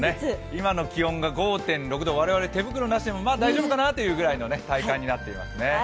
今の気温が５．６度、我々、手袋なしでも大丈夫かなという体感になっていますね。